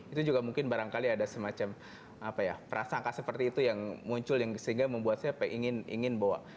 itu juga mungkin barangkali ada semacam prasangka seperti itu yang muncul yang sehingga membuat saya ingin bahwa